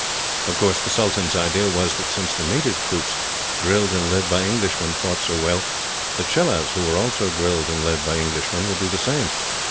"Of course the sultan's idea was, that since the native troops, drilled and led by Englishmen, fought so well; the Chelahs, who were also drilled and led by Englishmen, would do the same.